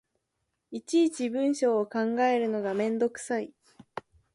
いちいち文章を考えるのがめんどくさい